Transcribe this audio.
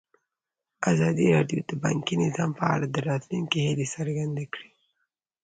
ازادي راډیو د بانکي نظام په اړه د راتلونکي هیلې څرګندې کړې.